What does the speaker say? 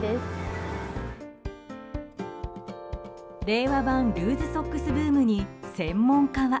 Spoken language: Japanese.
令和版ルーズソックスブームに専門家は。